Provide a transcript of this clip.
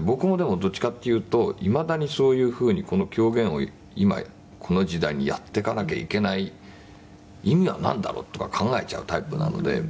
僕もでもどっちかっていうといまだにそういうふうにこの狂言を今この時代にやっていかなきゃいけない意味はなんだろうとか考えちゃうタイプなので」